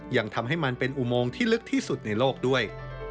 ยังทำให้มันเป็นอุโมงที่ลึกที่สุดในโลกด้วย